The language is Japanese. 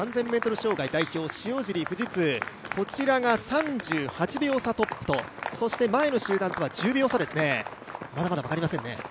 障害代表の塩尻、富士通がトップと３８秒差、そして前の集団とは１０秒差ですね、まだまだ分かりませんね。